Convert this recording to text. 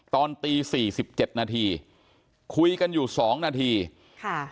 ตอนตีสี่สิบเจ็ดนาทีคุยกันอยู่สองนาทีค่ะ